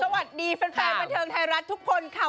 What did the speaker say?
สวัสดีแฟนบันเทิงไทยรัฐทุกคนค่ะ